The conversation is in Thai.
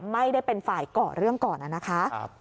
ไม่ได้เป็นฝ่ายก่อเรื่องก่อนนะคะ